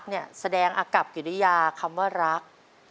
แล้วก็เวลารักแสดงอากับกิตยาคำว่ารัก